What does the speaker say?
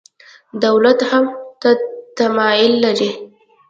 دولت هم ورته تمایل لري.